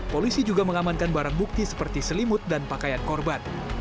polisi juga mengamankan barang bukti seperti selimut dan pakaian korban